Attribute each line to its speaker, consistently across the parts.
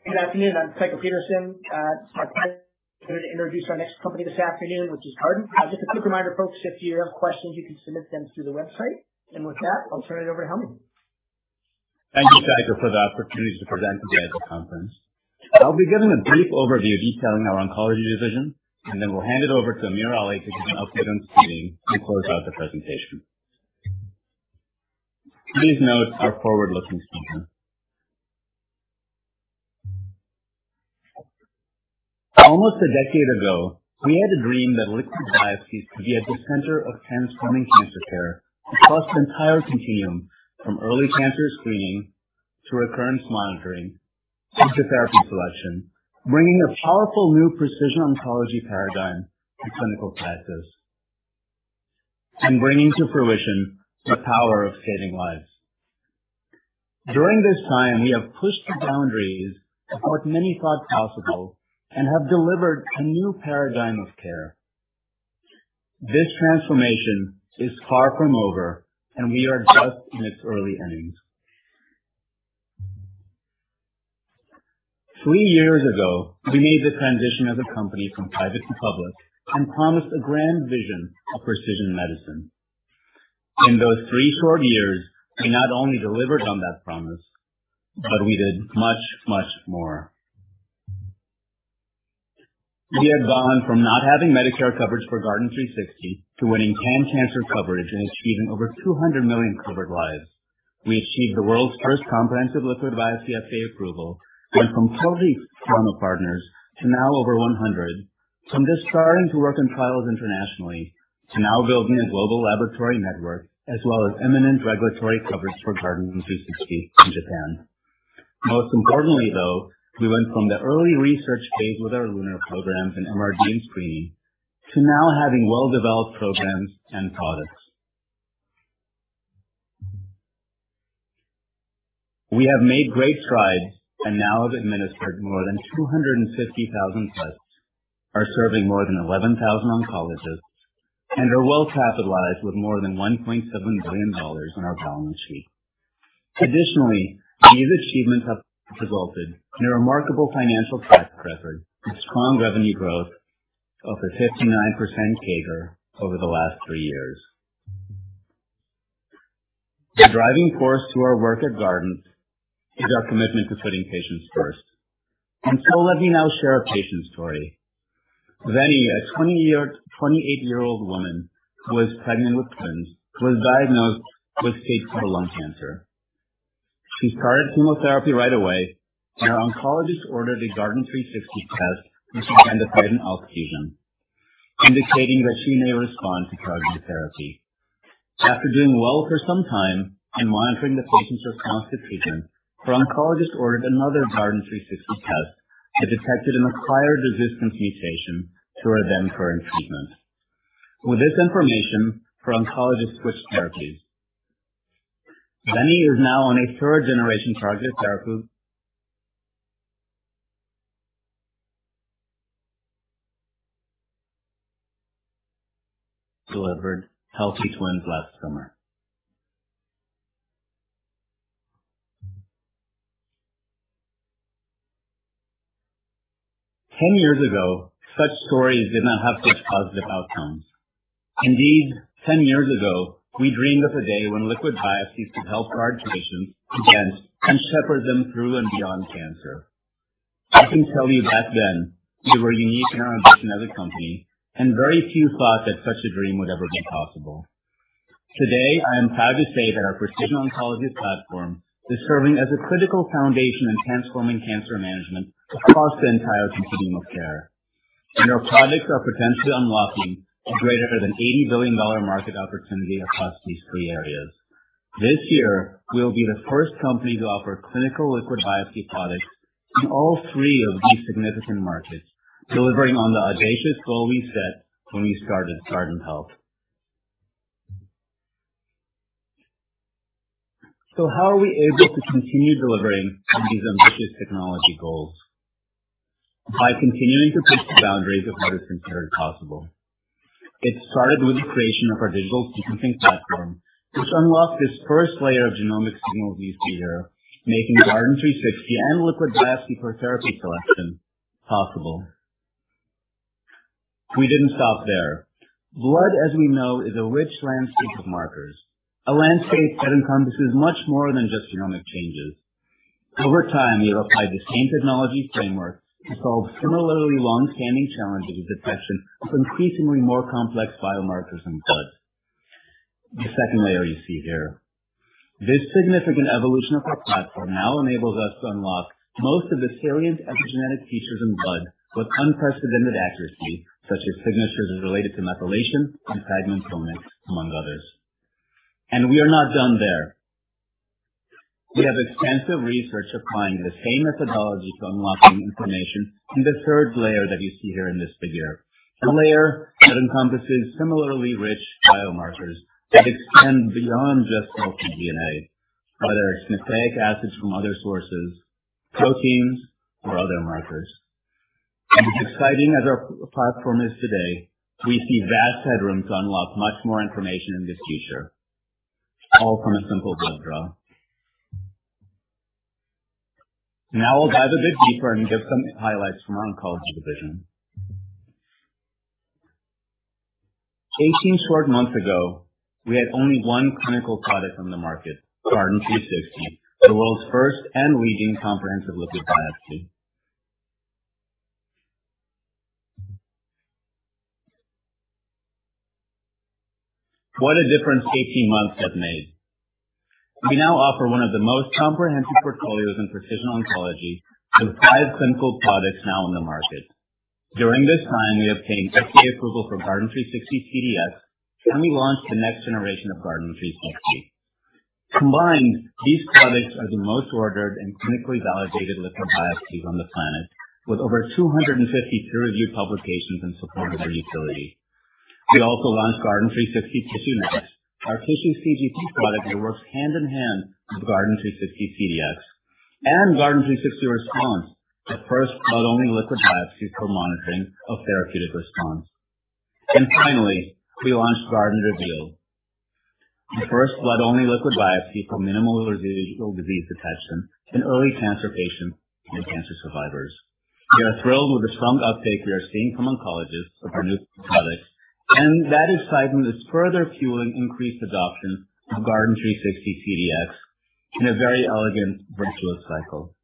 Speaker 1: Good afternoon. I'm Michael Peterson, Smart Money. I'm here to introduce our next company this afternoon, which is Guardant. Just a quick reminder, folks, if you have questions, you can submit them through the website. With that, I'll turn it over to Helmy.
Speaker 2: Thank you, Michael, for the opportunity to present today at the conference. I'll be giving a brief overview detailing our oncology division, and then we'll hand it over to AmirAli, who's going to update on screening and close out the presentation. These notes are forward-looking statements. Almost a decade ago, we had a dream that liquid biopsies could be at the center of transforming cancer care across the entire continuum, from early cancer screening to recurrence monitoring, into therapy selection, bringing a powerful new precision oncology paradigm to clinical practice and bringing to fruition the power of saving lives. During this time, we have pushed the boundaries of what many thought possible and have delivered a new paradigm of care. This transformation is far from over, and we are just in its early innings. Three years ago, we made the transition as a company from private to public and promised a grand vision of precision medicine. In those three short years, we not only delivered on that promise, but we did much, much more. We have gone from not having Medicare coverage for Guardant360 to winning pan-cancer coverage and achieving over 200 million covered lives. We achieved the world's first comprehensive liquid biopsy FDA approval, went from 12 pharma partners to now over 100, from just starting to work on trials internationally to now building a global laboratory network as well as imminent regulatory coverage for Guardant360 in Japan. Most importantly, though, we went from the early research phase with our LUNAR programs and MRD screening to now having well-developed programs and products. We have made great strides and now have administered more than 250,000 tests, are serving more than 11,000 oncologists, and are well capitalized with more than $1.7 billion on our balance sheet. Additionally, these achievements have resulted in a remarkable financial track record with strong revenue growth of a 59% CAGR over the last three years. The driving force to our work at Guardant is our commitment to putting patients first. Let me now share a patient story. Zeni, a 28-year-old woman who was pregnant with twins, was diagnosed with stage IV lung cancer. She started chemotherapy right away, and her oncologist ordered a Guardant360 test, which identified an alteration indicating that she may respond to targeted therapy. After doing well for some time and monitoring the patient's response to treatment, her oncologist ordered another Guardant360 test that detected an acquired resistance mutation to her then current treatment. With this information, her oncologist switched therapies. Zeni is now on a third-generation targeted therapy. She delivered healthy twins last summer. 10 years ago, such stories did not have such positive outcomes. Indeed, 10 years ago, we dreamed of a day when liquid biopsies could help Guardant patients again and shepherd them through and beyond cancer. I can tell you back then, we were unique in our ambition as a company, and very few thought that such a dream would ever be possible. Today, I am proud to say that our precision oncology platform is serving as a critical foundation in transforming cancer management across the entire continuum of care. Our products are potentially unlocking a greater than $80 billion market opportunity across these three areas. This year, we will be the first company to offer clinical liquid biopsy products in all three of these significant markets, delivering on the audacious goal we set when we started Guardant Health. How are we able to continue delivering on these ambitious technology goals? By continuing to push the boundaries of what is considered possible. It started with the creation of our digital sequencing platform, which unlocked this first layer of genomic signal that you see here, making Guardant360 and liquid biopsy for therapy selection possible. We didn't stop there. Blood, as we know, is a rich landscape of markers, a landscape that encompasses much more than just genomic changes. Over time, we applied the same technology framework to solve similarly long-standing challenges of detection of increasingly more complex biomarkers in blood. The second layer you see here. This significant evolution of our platform now enables us to unlock most of the salient epigenetic features in blood with unprecedented accuracy, such as signatures related to methylation and fragmentomics, among others. We are not done there. We have extensive research applying the same methodology to unlocking information in the third layer that you see here in this figure. A layer that encompasses similarly rich biomarkers that extend beyond just cell-free DNA, whether it's nucleic acids from other sources, proteins or other markers. As exciting as our platform is today, we see vast headroom to unlock much more information in the future. All from a simple blood draw. Now I'll dive a bit deeper and give some highlights from our oncology division. 18 short months ago, we had only one clinical product on the market, Guardant360, the world's first and leading comprehensive liquid biopsy. What a difference 18 months have made. We now offer one of the most comprehensive portfolios in precision oncology with five clinical products now on the market. During this time, we obtained FDA approval for Guardant360 CDx, and we launched the next generation of Guardant360. Combined, these products are the most ordered and clinically validated liquid biopsies on the planet, with over 250 peer-reviewed publications in support of their utility. We also launched Guardant360 TissueNext, our tissue CGP product that works hand in hand with Guardant360 CDx, and Guardant360 Response, the first blood-only liquid biopsy for monitoring of therapeutic response. Finally, we launched Guardant Reveal, the first blood-only liquid biopsy for minimal residual disease detection in early cancer patients and cancer survivors. We are thrilled with the strong uptake we are seeing from oncologists of our new products, and that excitement is further fueling increased adoption of Guardant360 CDx in a very elegant virtuous cycle.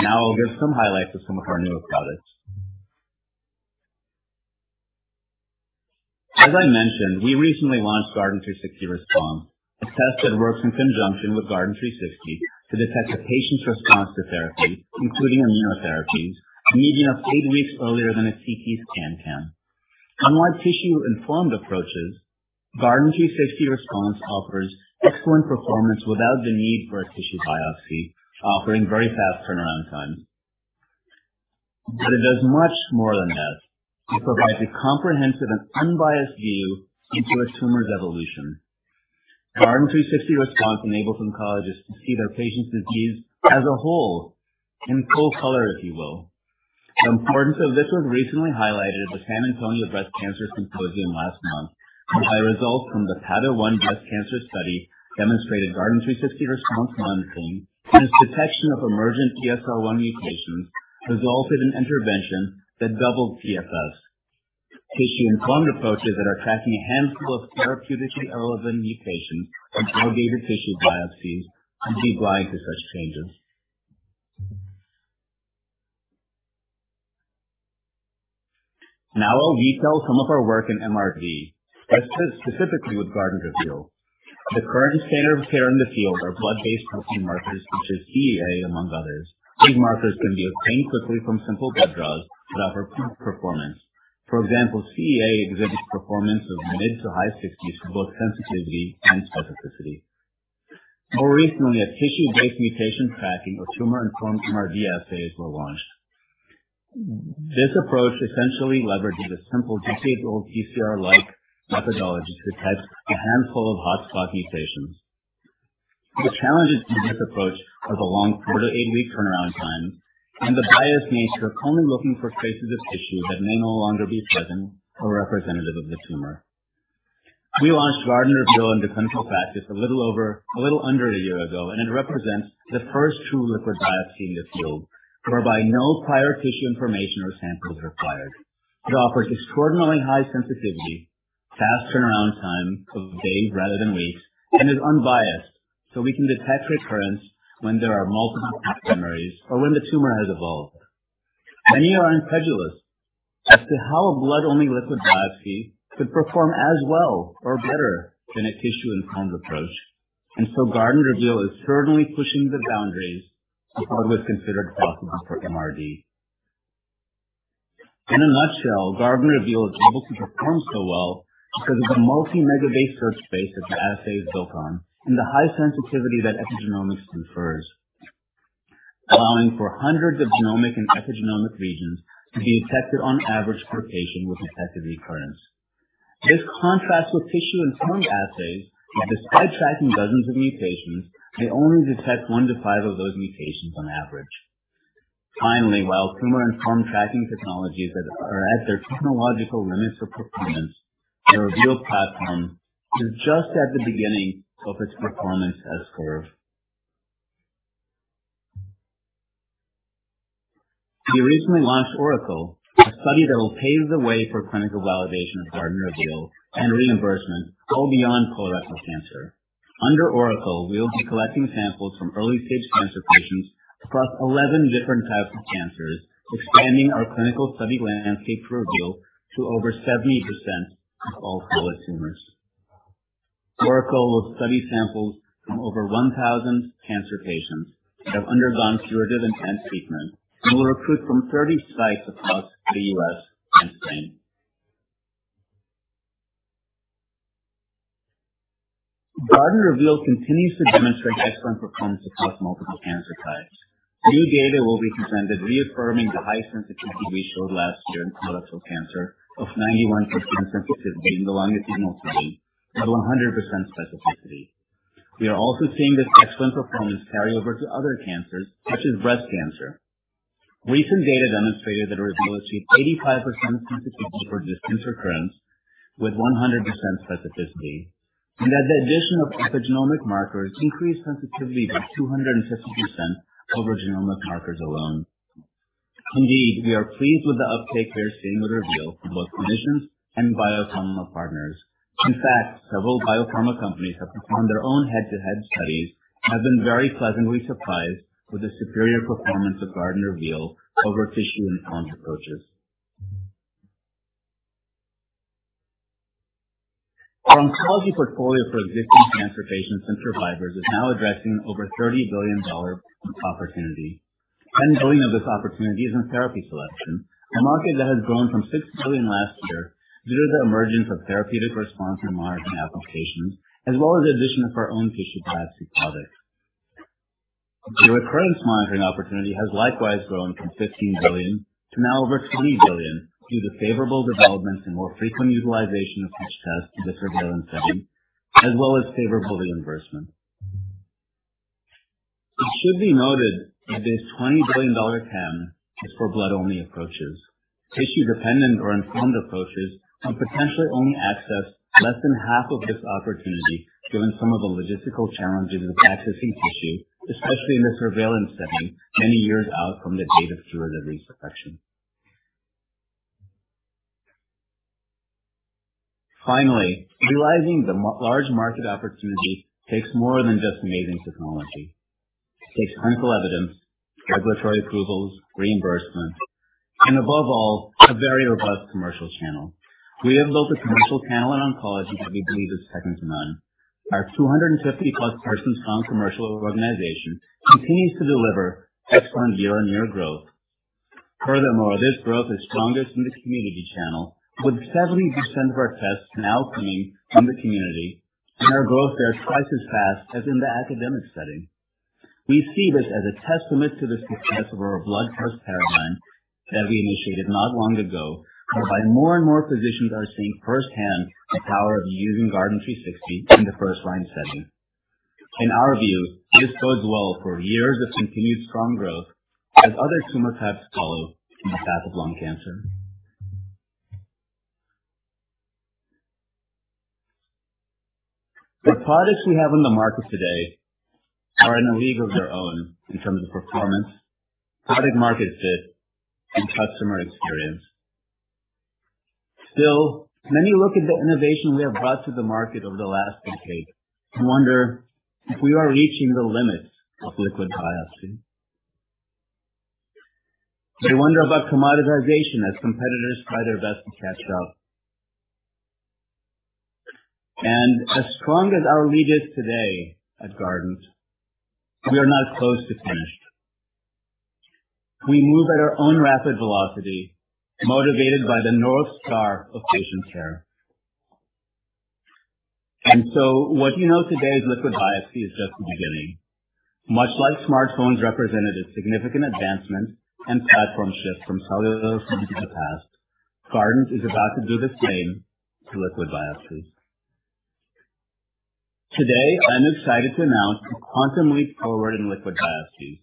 Speaker 2: Now I'll give some highlights of some of our newer products. As I mentioned, we recently launched Guardant360 Response, a test that works in conjunction with Guardant360 to detect a patient's response to therapy, including immunotherapies, a median of eight weeks earlier than a CT scan can. Unlike tissue-informed approaches, Guardant360 Response offers excellent performance without the need for a tissue biopsy, offering very fast turnaround time. It does much more than that. It provides a comprehensive and unbiased view into a tumor's evolution. Guardant360 Response enables oncologists to see their patient's disease as a whole in full color, if you will. The importance of this was recently highlighted at the San Antonio Breast Cancer Symposium last month, and by results from the PADA-1 breast cancer study demonstrated Guardant360 Response monitoring and its detection of emergent ESR1 mutations resulted in intervention that doubled PFS. Tissue-informed approaches that are tracking a handful of therapeutically relevant mutations in aggregated tissue biopsies can be blind to such changes. Now I'll detail some of our work in MRD, but specifically with Guardant Reveal. The current standard of care in the field are blood-based protein markers such as CEA, among others. These markers can be obtained quickly from simple blood draws but have poor performance. For example, CEA exhibits performance of mid- to high-60s% for both sensitivity and specificity. More recently, a tissue-based mutation tracking or tumor-informed MRD assays were launched. This approach essentially leverages a simple decade-old PCR-like methodology to detect a handful of hotspot mutations. The challenges to this approach are the long four-eight-week turnaround time and the biased nature of only looking for traces of tissue that may no longer be present or representative of the tumor. We launched Guardant Reveal into clinical practice a little under a year ago, and it represents the first true liquid biopsy in the field whereby no prior tissue information or sample is required. It offers extraordinarily high sensitivity, fast turnaround time of days rather than weeks, and is unbiased, so we can detect recurrence when there are multiple metastases or when the tumor has evolved. Many are incredulous as to how a blood-only liquid biopsy could perform as well or better than a tissue-informed approach. Guardant Reveal is certainly pushing the boundaries of what was considered possible for MRD. In a nutshell, Guardant Reveal is able to perform so well because of the multi-megabase search space that the assay is built on and the high sensitivity that epigenomics confers, allowing for hundreds of genomic and epigenomic regions to be affected on average per patient with detected recurrence. This contrasts with tissue-informed assays that, despite tracking dozens of mutations, may only detect 1-5 of those mutations on average. Finally, while tumor-informed tracking technologies are at their technological limits for performance, the Reveal platform is just at the beginning of its performance S-curve. We recently launched ORACLE, a study that will pave the way for clinical validation of Guardant Reveal and reimbursement to go beyond colorectal cancer. Under ORACLE, we will be collecting samples from early-stage cancer patients across 11 different types of cancers, expanding our clinical study landscape for Reveal to over 70% of all solid tumors. ORACLE will study samples from over 1,000 cancer patients that have undergone curative intent treatment and will recruit from 30 sites across the U.S. and Spain. Guardant Reveal continues to demonstrate excellent performance across multiple cancer types. New data will be presented reaffirming the high sensitivity we showed last year in colorectal cancer of 91% sensitivity in the longitudinal study and 100% specificity. We are also seeing this excellent performance carry over to other cancers such as breast cancer. Recent data demonstrated that Reveal achieved 85% sensitivity for distant recurrence with 100% specificity, and that the addition of epigenomic markers increased sensitivity by 250% over genomic markers alone. Indeed, we are pleased with the uptake we are seeing with Reveal from both clinicians and biopharma partners. In fact, several biopharma companies have performed their own head-to-head studies and have been very pleasantly surprised with the superior performance of Guardant Reveal over tissue- and tumor-informed approaches. Our oncology portfolio for existing cancer patients and survivors is now addressing over $30 billion opportunity. $10 billion of this opportunity is in therapy selection, a market that has grown from $6 billion last year due to the emergence of therapeutic response and monitoring applications, as well as the addition of our own tissue biopsy products. The recurrence monitoring opportunity has likewise grown from $15 billion to now over $20 billion due to favorable developments and more frequent utilization of such tests in the surveillance setting, as well as favorable reimbursement. It should be noted that this $20 billion TAM is for blood only approaches. Tissue dependent or informed approaches can potentially only access less than half of this opportunity, given some of the logistical challenges with accessing tissue, especially in the surveillance setting many years out from the date of curative resection. Finally, realizing the large market opportunity takes more than just amazing technology. It takes clinical evidence, regulatory approvals, reimbursement, and above all, a very robust commercial channel. We have built a commercial channel in oncology that we believe is second to none. Our 250-plus-person-strong commercial organization continues to deliver excellent year-on-year growth. Furthermore, this growth is strongest in the community channel, with 70% of our tests now coming from the community and our growth there is twice as fast as in the academic setting. We see this as a testament to the success of our blood first paradigm that we initiated not long ago, as more and more physicians are seeing firsthand the power of using Guardant360 in the first-line setting. In our view, this bodes well for years of continued strong growth as other tumor types follow in the path of lung cancer. The products we have in the market today are in a league of their own in terms of performance, product market fit, and customer experience. Still, many look at the innovation we have brought to the market over the last decade and wonder if we are reaching the limits of liquid biopsy. They wonder about commoditization as competitors try their best to catch up. As strong as our lead is today at Guardant, we are not close to finished. We move at our own rapid velocity, motivated by the North Star of patient care. What you know today as liquid biopsy is just the beginning. Much like smartphones represented a significant advancement and platform shift from cellular phones of the past, Guardant is about to do the same to liquid biopsies. Today, I'm excited to announce a quantum leap forward in liquid biopsies,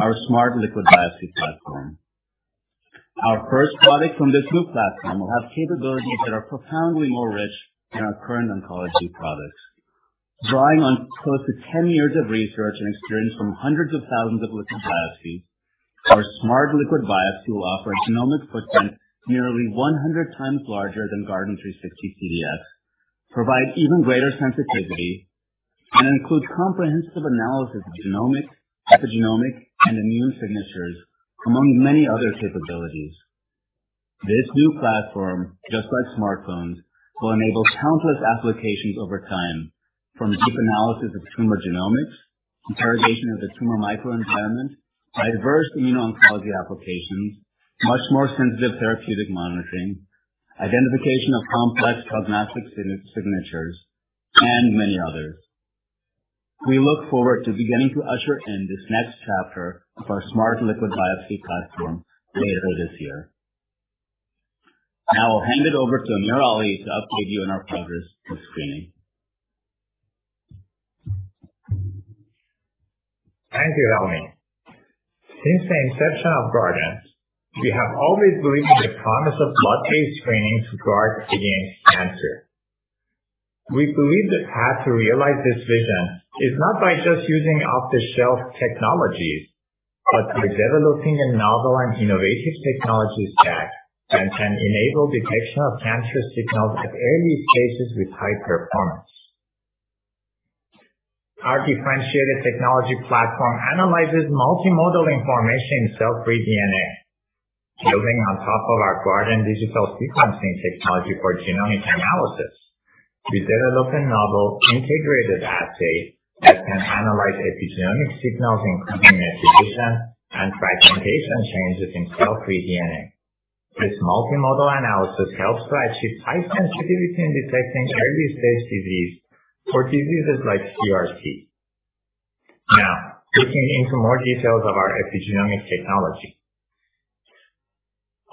Speaker 2: our Smart Liquid Biopsy platform. Our first product from this new platform will have capabilities that are profoundly more rich than our current oncology products. Drawing on close to 10 years of research and experience from hundreds of thousands of liquid biopsies, our Smart Liquid Biopsy will offer a genomic footprint nearly 100 times larger than Guardant360 CDx, provide even greater sensitivity, and includes comprehensive analysis of genomic, epigenomic, and immune signatures, among many other capabilities. This new platform, just like smartphones, will enable countless applications over time, from deep analysis of tumor genomics, interrogation of the tumor microenvironment, diverse immuno-oncology applications, much more sensitive therapeutic monitoring, identification of complex prognostic signatures, and many others. We look forward to beginning to usher in this next chapter of our Smart Liquid Biopsy platform later this year. Now I'll hand it over to AmirAli to update you on our progress with screening.
Speaker 3: Thank you, Helmy. Since the inception of Guardant, we have always believed in the promise of blood-based screening to guard against cancer. We believe the path to realize this vision is not by just using off-the-shelf technologies, but by developing a novel and innovative technology stack that can enable detection of cancerous signals at early stages with high performance. Our differentiated technology platform analyzes multimodal information in cell-free DNA. Building on top of our Guardant digital sequencing technology for genomic analysis, we've developed a novel integrated assay that can analyze epigenomic signals, including methylation and fragmentation changes in cell-free DNA. This multimodal analysis helps to achieve high sensitivity in detecting early-stage disease for diseases like CRC. Now, digging into more details of our epigenomic technology.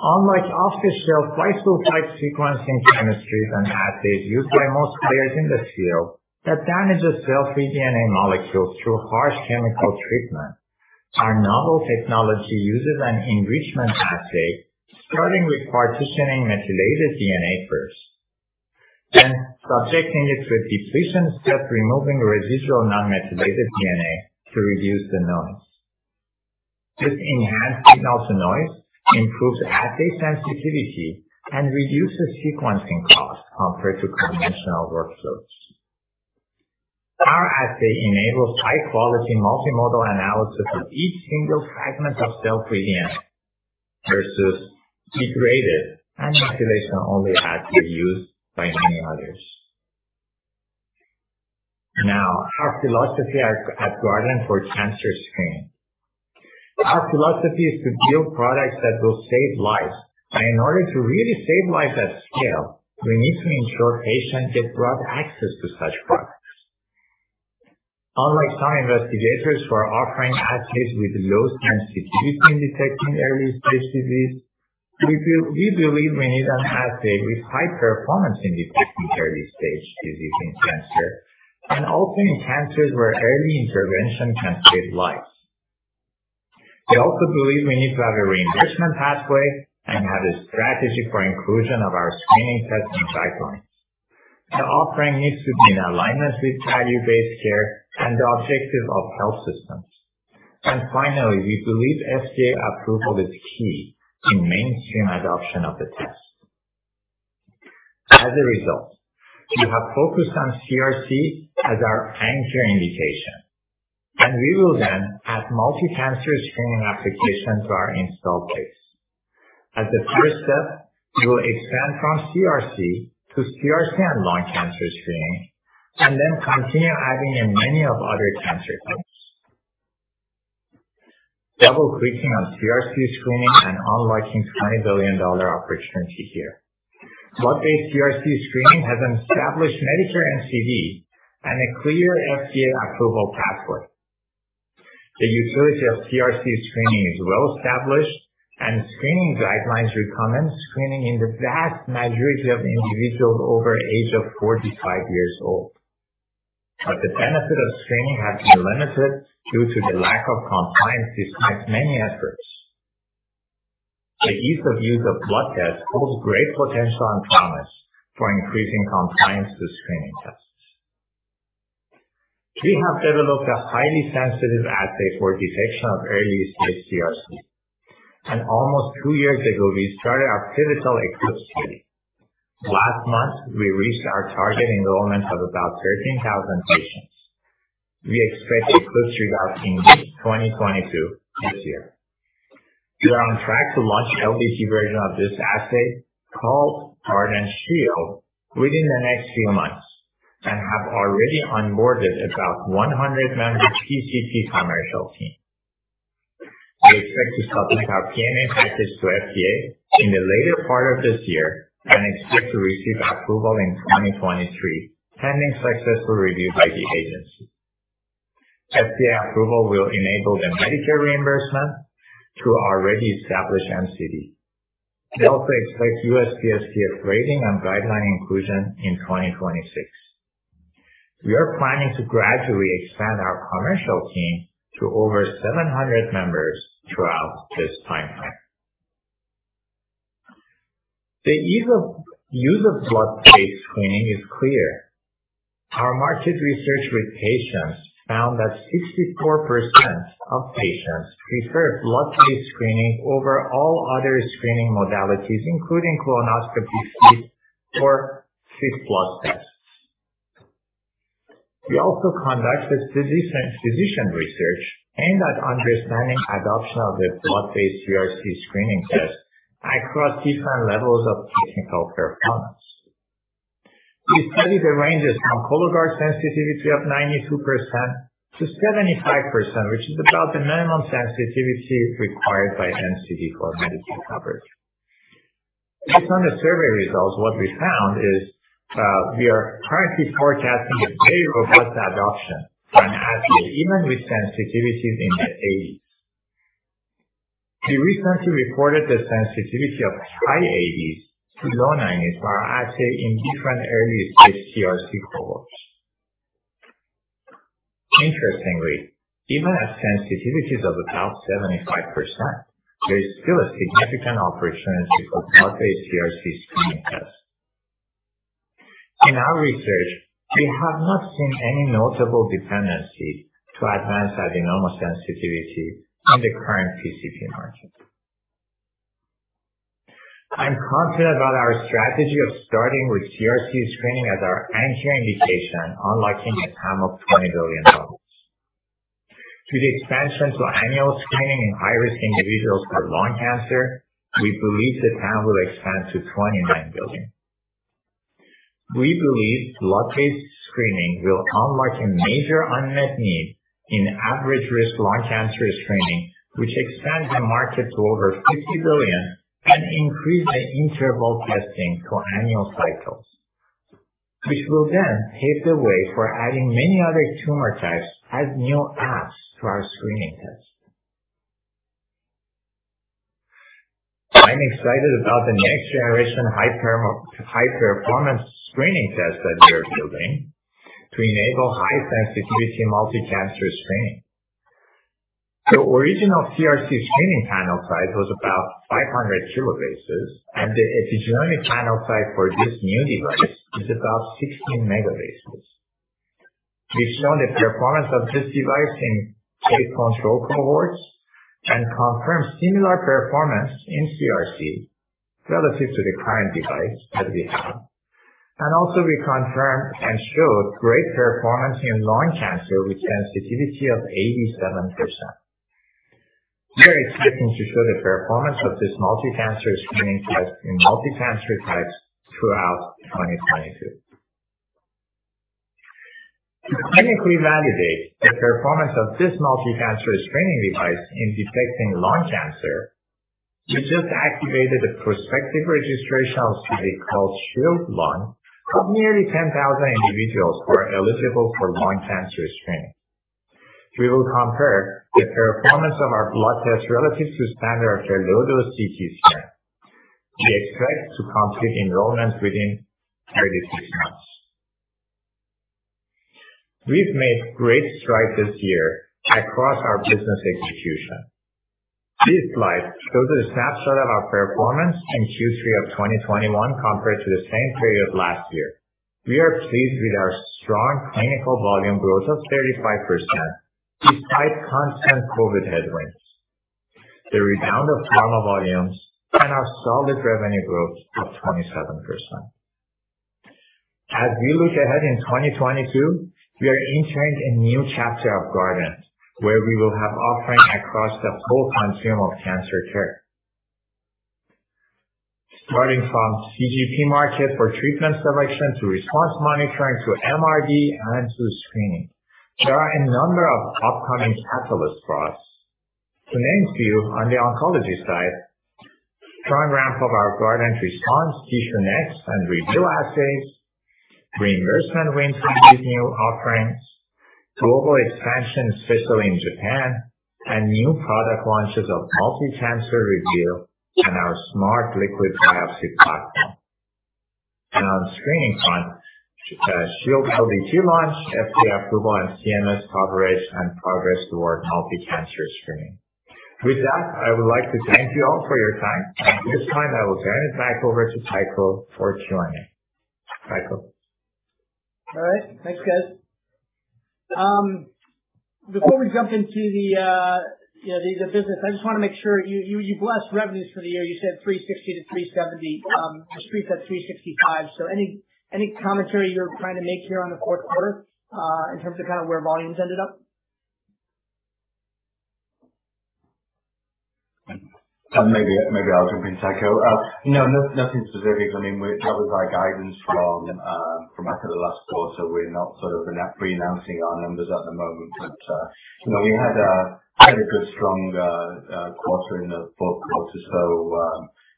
Speaker 3: Unlike traditional bisulfite sequencing chemistries and assays used by most players in the field that damages cell-free DNA molecules through harsh chemical treatment, our novel technology uses an enrichment assay, starting with partitioning methylated DNA first, then subjecting it with depletion step, removing residual non-methylated DNA to reduce the noise. This enhanced signal-to-noise improves assay sensitivity and reduces sequencing costs compared to conventional workflows. Our assay enables high-quality multimodal analysis of each single fragment of cell-free DNA versus degraded and methylation-only assays used by many others. Now, our philosophy at Guardant for cancer screening. Our philosophy is to build products that will save lives. In order to really save lives at scale, we need to ensure patients get broad access to such products. Unlike some investigators who are offering assays with low sensitivity in detecting early-stage disease, we believe we need an assay with high performance in detecting early-stage disease in cancer and also in cancers where early intervention can save lives. We also believe we need to have a reimbursement pathway and have a strategy for inclusion of our screening test in guidelines. The offering needs to be in alignment with value-based care and the objective of health systems. Finally, we believe FDA approval is key to mainstream adoption of the test. As a result, we have focused on CRC as our anchor indication, and we will then add multi-cancer screening application to our install base. As a first step, we will expand from CRC to CRC and lung cancer screening, and then continue adding in many other cancer types. Double-clicking on CRC screening and unlocking $20 billion opportunity here. Blood-based CRC screening has an established Medicare NCD and a clear FDA approval pathway. The utility of CRC screening is well-established, and screening guidelines recommend screening in the vast majority of individuals over the age of 45 years old. The benefit of screening has been limited due to the lack of compliance despite many efforts. The ease of use of blood tests holds great potential and promise for increasing compliance to screening tests. We have developed a highly sensitive assay for detection of early-stage CRC, and almost two years ago, we started our pivotal ECLIPSE study. Last month, we reached our target enrollment of about 13,000 patients. We expect ECLIPSE results in May 2022, this year. We are on track to launch LDT version of this assay called Guardant360 within the next few months, and we have already onboarded about 100-member PCP commercial team. We expect to submit our PMA package to FDA in the later part of this year and expect to receive approval in 2023, pending successful review by the agency. FDA approval will enable the Medicare reimbursement through already established NCD. We also expect USPSTF grading and guideline inclusion in 2026. We are planning to gradually expand our commercial team to over 700 members throughout this timeline. The ease of use of blood-based screening is clear. Our market research with patients found that 64% of patients prefer blood-based screening over all other screening modalities, including colonoscopy, FIT, or FIT plus tests. We also conducted physician research aimed at understanding adoption of the blood-based CRC screening test across different levels of technical performance. We studied the ranges from Cologuard sensitivity of 92% to 75%, which is about the minimum sensitivity required by NCD for Medicare coverage. Based on the survey results, what we found is, we are currently forecasting a very robust adoption for an assay, even with sensitivities in the 80s. We recently reported the sensitivity of high 80s to low 90s for our assay in different early-stage CRC cohorts. Interestingly, even at sensitivities of about 75%, there is still a significant opportunity for blood-based CRC screening tests. In our research, we have not seen any notable dependency to advanced adenoma sensitivity in the current PCP market. I'm confident about our strategy of starting with CRC screening as our anchor indication, unlocking the TAM of $20 billion. With the expansion to annual screening in high-risk individuals for lung cancer, we believe the TAM will expand to $29 billion. We believe blood-based screening will unlock a major unmet need in average-risk lung cancer screening, which expands the market to over $50 billion and increase the interval testing to annual cycles, which will then pave the way for adding many other tumor types as new apps to our screening test. I'm excited about the next generation high-performance screening test that we are building to enable high sensitivity multi-cancer screening. The original CRC screening panel size was about 500 kilobases, and the epigenomic panel size for this new device is about 16 megabases. We've shown the performance of this device in eight control cohorts and confirmed similar performance in CRC relative to the current device that we have. We confirmed and showed great performance in lung cancer with sensitivity of 87%. We are expecting to show the performance of this multi-cancer screening test in multi-cancer types throughout 2022. To clinically validate the performance of this multi-cancer screening device in detecting lung cancer, we just activated the prospective registrational study called SHIELD LUNG of nearly 10,000 individuals who are eligible for lung cancer screening. We will compare the performance of our blood test relative to standard of care low-dose CT scan. We expect to complete enrollment within 36 months. We've made great strides this year across our business execution. This slide shows a snapshot of our performance in Q3 of 2021 compared to the same period last year. We are pleased with our strong clinical volume growth of 35% despite constant COVID headwinds, the rebound of pharma volumes, and our solid revenue growth of 27%. As we look ahead in 2022, we are entering a new chapter of Guardant, where we will have offerings across the full continuum of cancer care. Starting from CGP market for treatment selection, to response monitoring, to MRD, and to screening. There are a number of upcoming catalysts for us. To name a few, on the oncology side, strong ramp of our Guardant360 Response, TissueNext and Reveal assays, reimbursement wins for these new offerings, global expansion, especially in Japan, and new product launches of multi-cancer Reveal and our Smart Liquid Biopsy platform. On screening front, Shield LDT launch, FDA approval, CMS coverage and progress toward multi-cancer screening. With that, I would like to thank you all for your time. At this time, I will turn it back over to Michael for Q&A. Michael.
Speaker 1: All right. Thanks, guys. Before we jump into the, you know, business, I just wanna make sure you blessed revenues for the year. You said $360-$370. The Street said $365. Any commentary you're trying to make here on the fourth quarter, in terms of kind of where volumes ended up?
Speaker 4: Maybe I'll jump in, Michael. No, nothing specific. I mean, that was our guidance from back at the last quarter. We're not sort of renouncing our numbers at the moment. But you know, we had a good strong quarter in the fourth quarter, so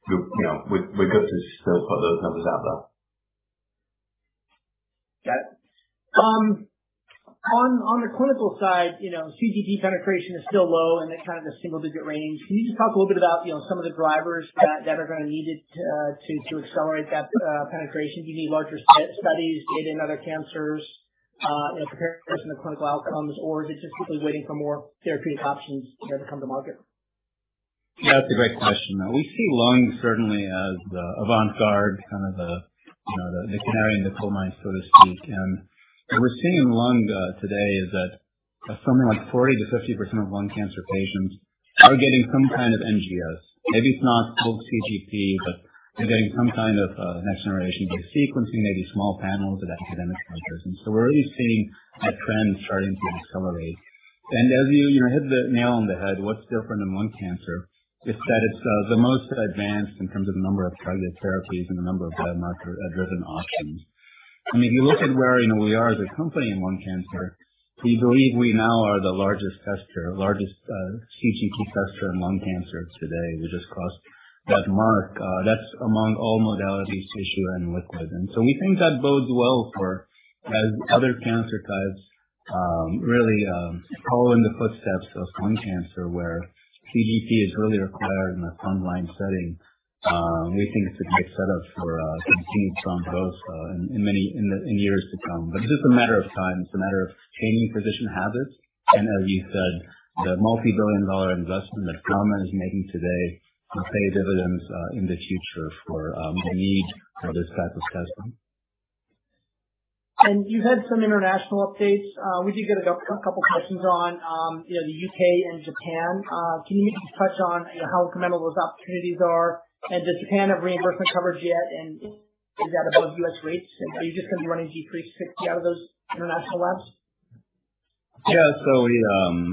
Speaker 4: you know, we're good to still put those numbers out there.
Speaker 1: Got it. On the clinical side, you know, CGP penetration is still low and in kind of the single digit range. Can you just talk a little bit about, you know, some of the drivers that are gonna be needed to accelerate that penetration? Do you need larger studies? Get in other cancers, you know, comparison of clinical outcomes, or is it just people waiting for more therapeutic options that come to market?
Speaker 3: That's a great question. We see lung certainly as the avant-garde, kind of the, you know, the canary in the coal mine, so to speak. What we're seeing in lung today is that something like 40%-50% of lung cancer patients are getting some kind of NGS. Maybe it's not full CGP, but they're getting some kind of next-generation sequencing, maybe small panels at academic centers. We're really seeing that trend starting to accelerate. As you hit the nail on the head. What's different in lung cancer is that it's the most advanced in terms of the number of targeted therapies and the number of biomarker-driven options. I mean, if you look at where, you know, we are as a company in lung cancer, we believe we now are the largest tester, largest CGP tester in lung cancer today. We just crossed that mark. That's among all modalities, tissue and liquid. We think that bodes well for other cancer types really follow in the footsteps of lung cancer, where CGP is really required in a front line setting. We think it's a good setup for continued strong growth in many years to come. It's just a matter of time. It's a matter of changing physician habits. As you said, the multi-billion dollar investment that pharma is making today will pay dividends in the future for the need for this type of testing.
Speaker 1: You had some international updates. We did get a couple questions on, you know, the U.K. and Japan. Can you just touch on, you know, how commendable those opportunities are? Does Japan have reimbursement coverage yet? Is that above U.S. rates? Are you just gonna be running G360 out of those international labs?
Speaker 2: Yeah. We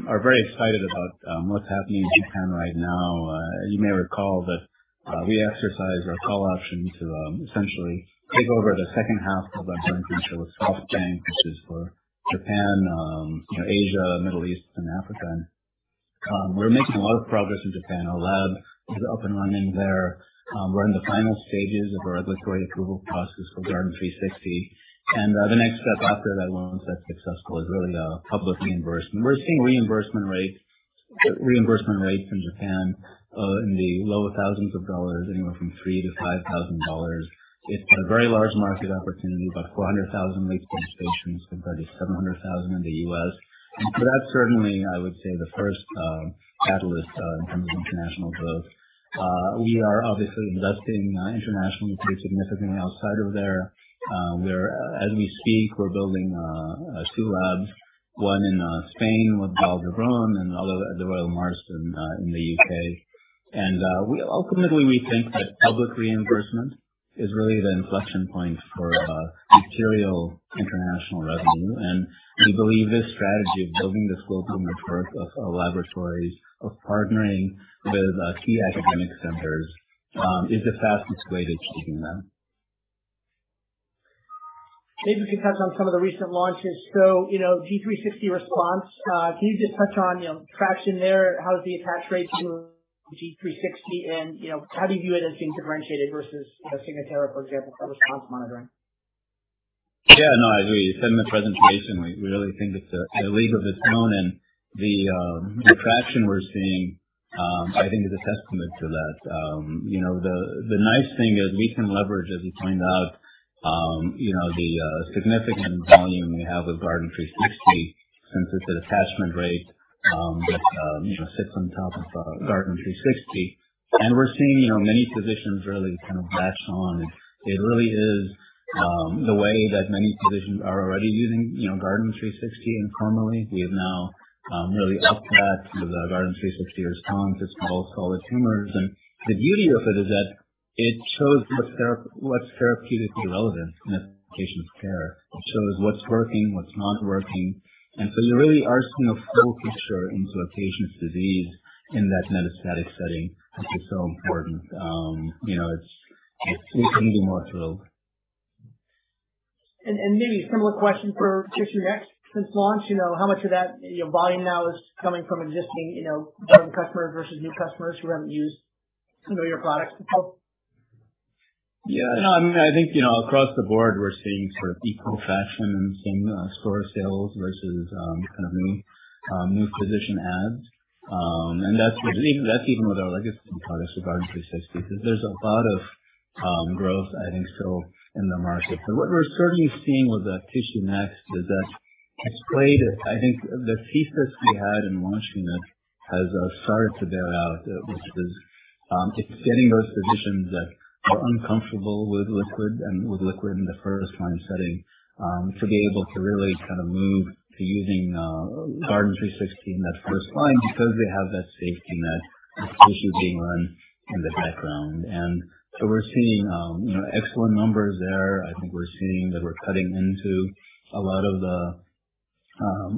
Speaker 2: are very excited about what's happening in Japan right now. You may recall that we exercised our call option to essentially take over the second half of our joint venture with SoftBank, which is for Japan, you know, Asia, Middle East and Africa. We're making a lot of progress in Japan. Our lab is up and running there. We're in the final stages of our regulatory approval process for Guardant360. The next step after that launch that's successful is really a public reimbursement. We're seeing reimbursement rates in Japan in the lower thousands of dollars, anywhere from $3,000 to $5,000. It's got a very large market opportunity, about 400,000 liquid biopsy indications compared to 700,000 in the U.S. That's certainly, I would say, the first catalyst in terms of international growth. We are obviously investing internationally pretty significantly outside of there. We're building two labs, one in Spain with Vall d'Hebron and other at the Royal Marsden in the U.K. We ultimately think that public reimbursement is really the inflection point for material international revenue. We believe this strategy of building this global network of laboratories, of partnering with key academic centers is the fastest way to achieving that.
Speaker 1: Maybe to touch on some of the recent launches. You know, Guardant360 Response, can you just touch on, you know, traction there? How's the attach rate to Guardant360? You know, how do you view it as being differentiated versus, you know, Signatera, for example, for response monitoring?
Speaker 2: Yeah, no, I agree. As said in the presentation, we really think it's a league of its own and the traction we're seeing, I think is a testament to that. You know, the nice thing is we can leverage, as we pointed out, you know, the significant volume we have with Guardant360 since it's an attachment rate that you know sits on top of Guardant360. We're seeing you know many physicians really kind of latch on. It really is the way that many physicians are already using you know Guardant360 informally. We have now really upped that with the Guardant360 Response. It's called solid tumors. The beauty of it is that it shows what's therapeutically relevant in a patient's care. It shows what's working, what's not working. You're really asking a full picture into a patient's disease in that metastatic setting, which is so important. You know, we couldn't be more thrilled.
Speaker 1: Maybe a similar question for TissueNext. Since launch, you know, how much of that, you know, volume now is coming from existing, you know, current customers versus new customers who haven't used some of your products before?
Speaker 2: Yeah. No, I mean, I think, you know, across the board we're seeing sort of equal traction in store sales versus kind of new physician adds. That's even with our legacy products with Guardant360, because there's a lot of growth, I think, still in the market. What we're certainly seeing with the TissueNext is that it's great. I think the thesis we had in launching this has started to bear out, which is it's getting those physicians that are uncomfortable with liquid in the first line setting to be able to really kind of move to using Guardant360 in that first line because they have that safety net, that tissue being run in the background. We're seeing you know, excellent numbers there. I think we're seeing that we're cutting into a lot of the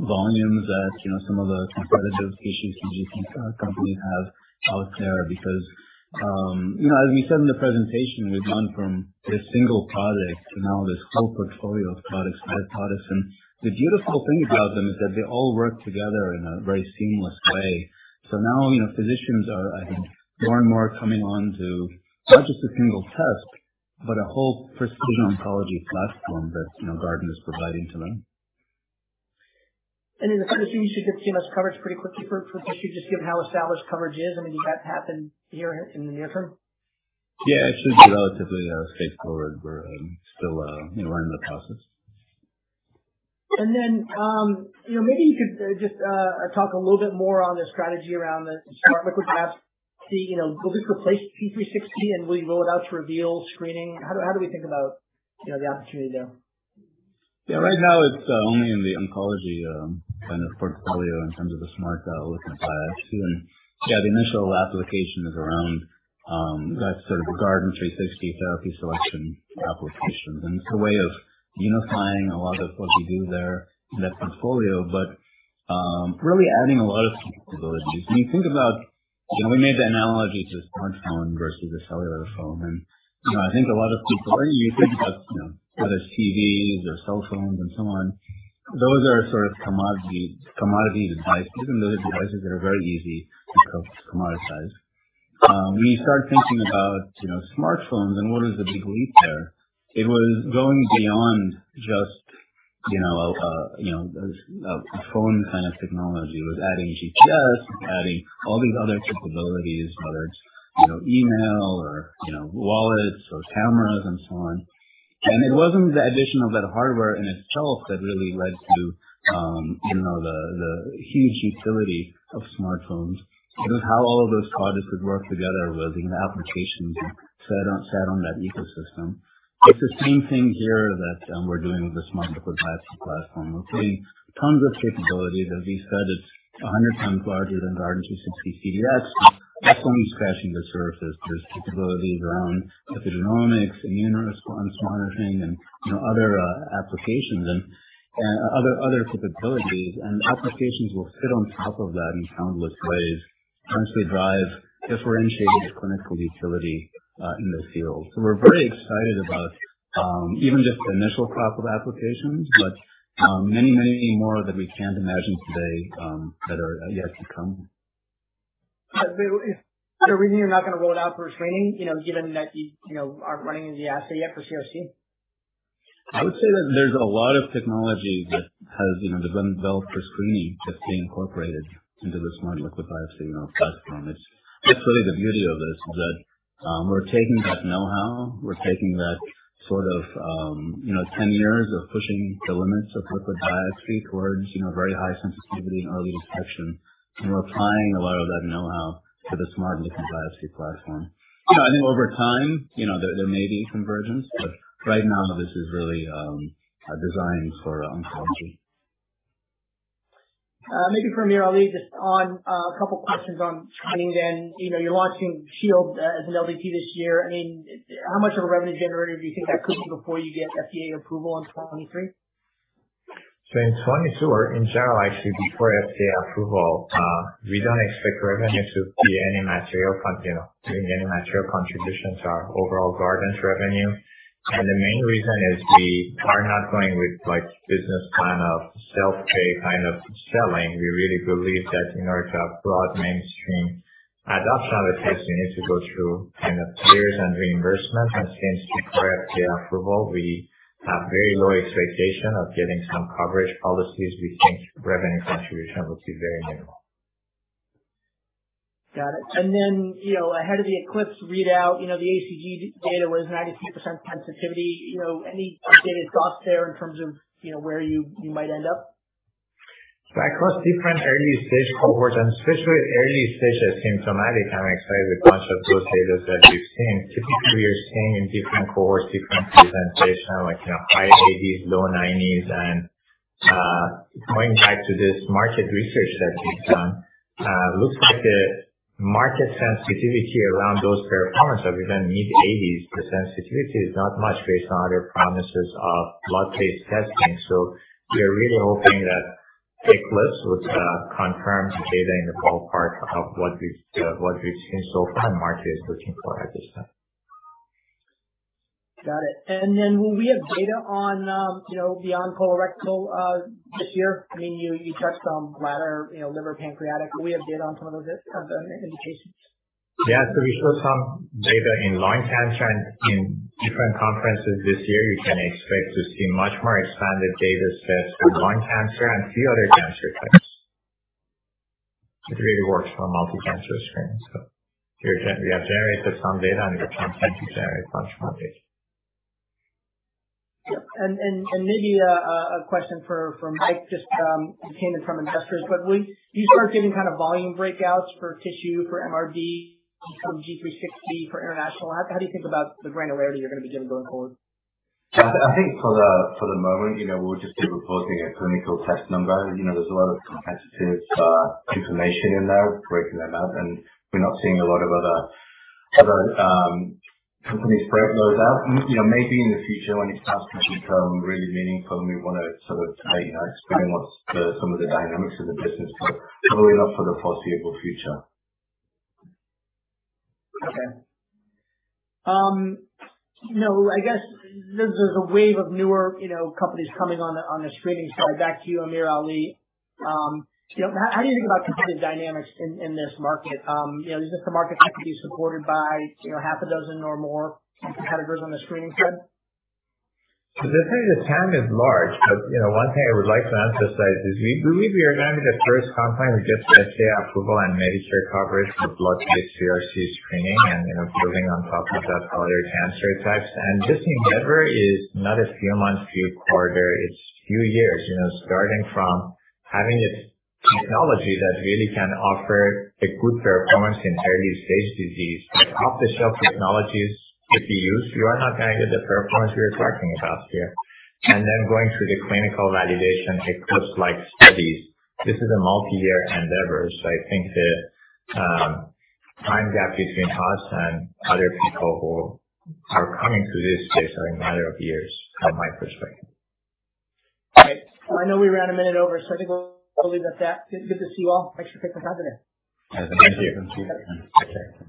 Speaker 2: volumes that, you know, some of the competitive tissue CDx companies have out there because, you know, as we said in the presentation, we've gone from this single product to now this whole portfolio of products, dipodots. The beautiful thing about them is that they all work together in a very seamless way. Now, you know, physicians are, I think, more and more coming on to not just a single test, but a whole precision oncology platform that, you know, Guardant is providing to them.
Speaker 1: In the future, you should get CMS coverage pretty quickly for TissueNext just given how established coverage is? I mean, do you expect it to happen here in the near term?
Speaker 2: Yeah. It should be relatively straightforward. We're still, you know, in the process.
Speaker 1: You know, maybe you could just talk a little bit more on the strategy around the Smart Liquid Biopsy. You know, will this replace Guardant360 and will you roll it out to Reveal screening? How do we think about, you know, the opportunity there?
Speaker 2: Yeah. Right now it's only in the oncology kind of portfolio in terms of the Smart Liquid Biopsy. Yeah, the initial application is around that sort of Guardant360 therapy selection applications, and it's a way of unifying a lot of what we do there in that portfolio, but really adding a lot of capabilities. When you think about you know, we made the analogy to a smartphone versus a cellular phone. You know, I think a lot of people are using you know, whether it's TVs or cell phones and so on. Those are sort of commodity devices and those are devices that are very easy to commoditize. When you start thinking about you know, smartphones and what is the big leap there? It was going beyond just you know, a phone kind of technology. It was adding GPS, it was adding all these other capabilities, whether it's, you know, email or, you know, wallets or cameras and so on. It wasn't the addition of that hardware in itself that really led to, you know, the huge utility of smartphones. It was how all of those products would work together. It was the applications that sat on that ecosystem. It's the same thing here that we're doing with the Smart Liquid Biopsy platform. We're seeing tons of capabilities. As we said, it's 100 times larger than Guardant360 CDx. That's only scratching the surface. There's capabilities around epigenomics, immune response monitoring and, you know, other applications and other capabilities and applications will fit on top of that in countless ways. Potentially drive differentiated clinical utility in those fields. We're very excited about even just the initial crop of applications, but many, many more that we can't imagine today that are yet to come.
Speaker 1: Is there a reason you're not gonna roll it out for screening, you know, given that you know, aren't running the assay yet for CRC?
Speaker 2: I would say that there's a lot of technology that has, you know, been built for screening that's being incorporated into the Smart Liquid Biopsy platform. It's really the beauty of this is that we're taking that know-how, we're taking that sort of, you know, 10 years of pushing the limits of liquid biopsy towards, you know, very high sensitivity and early detection. We're applying a lot of that know-how to the Smart Liquid Biopsy platform. I think over time, you know, there may be convergence, but right now this is really designed for oncology.
Speaker 1: Maybe for AmirAli Talasaz, just on a couple questions on screening then. You know, you're launching Shield as an LDT this year. I mean, how much of a revenue generator do you think that could be before you get FDA approval in 2023?
Speaker 3: In 2022 or in general, actually before FDA approval, we don't expect revenue to be any material, you know, contribution to our overall Guardant's revenue. The main reason is we are not going with, like, business plan of self-pay kind of selling. We really believe that in order to have broad mainstream adoption of the test, we need to go through kind of payers and reimbursement. Since pre-FDA approval, we have very low expectation of getting some coverage policies. We think revenue contribution will be very minimal.
Speaker 1: Got it. You know, ahead of the ECLIPSE readout, you know, the ACG data was 92% sensitivity. You know, any updated thoughts there in terms of, you know, where you might end up?
Speaker 3: Across different early-stage cohorts, and especially early-stage asymptomatic, I'm excited with bunch of those data that we've seen. Typically we are seeing in different cohorts, different presentation like, you know, high 80s%, low 90s%. Going back to this market research that we've done, looks like the market sensitivity around those performance that we've done, mid-80s% for sensitivity is not much based on other promises of blood-based testing. We are really hoping that ECLIPSE would confirm the data in the ballpark of what we've seen so far in market research implied at this time.
Speaker 1: Got it. Will we have data on, you know, beyond colorectal, this year? I mean, you touched on bladder, you know, liver, pancreatic. Will we have data on some of those as indications?
Speaker 3: Yeah. We showed some data in lung cancer and in different conferences this year. You can expect to see much more expanded data sets for lung cancer and few other cancer types. It really works for multi-cancer screening. We have generated some data, and we plan to generate much more data.
Speaker 1: Yep. Then maybe a question for Mike. It came in from investors. Would you start giving kind of volume breakouts for tissue for MRD, some Guardant360 for international? How do you think about the granularity you're gonna be giving going forward?
Speaker 4: I think for the moment, you know, we'll just be reporting a clinical test number. You know, there's a lot of competitive information in there, breaking that out, and we're not seeing a lot of other companies break those out. You know, maybe in the future when it starts to become really meaningful and we wanna sort of, you know, explain what some of the dynamics of the business, but probably not for the foreseeable future.
Speaker 1: Okay. You know, I guess there's a wave of newer, you know, companies coming on the screening side. Back to you, AmirAli Talasaz. You know, how do you think about competitive dynamics in this market? You know, is this a market that could be supported by, you know, half a dozen or more competitors on the screening side?
Speaker 3: Definitely the TAM is large, but, you know, one thing I would like to emphasize is we believe we are gonna be the first company with just FDA approval and Medicare coverage for blood-based CRC screening and, you know, building on top of that other cancer types. This endeavor is not a few months, few quarters. It's few years, you know, starting from having a technology that really can offer a good performance in early-stage disease. With off-the-shelf technologies, if you use, you are not gonna get the performance we are talking about here. Then going through the clinical validation, ECLIPSE-like studies. This is a multi-year endeavor. I think the time gap between us and other people who are coming to this space is a matter of years, how I might put it.
Speaker 1: Great. I know we ran a minute over, so I think we'll leave it at that. Good to see you all. Thanks for kicking off today.
Speaker 2: Thank you.
Speaker 3: Thank you. Take care.